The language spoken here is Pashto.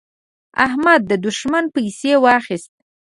احمد؛ دوښمن پسې واخيست.